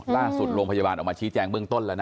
โรงพยาบาลออกมาชี้แจงเบื้องต้นแล้วนะ